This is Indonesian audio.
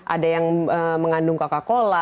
ada yang mengandung kaka kola